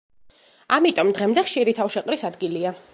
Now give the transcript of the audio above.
ამიტომ დღემდე ხშირი თავშეყრის ადგილია.